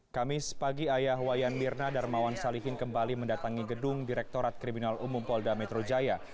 kamis pagi ayah wayan mirna darmawan salihin kembali mendatangi gedung direktorat kriminal umum polda metro jaya